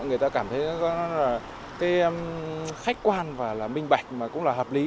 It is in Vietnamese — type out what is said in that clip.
người ta cảm thấy nó là cái khách quan và là minh bạch mà cũng là hợp lý